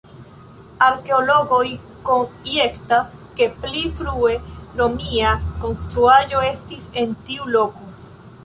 Arkeologoj konjektas, ke pli frue romia konstruaĵo estis en tiu loko.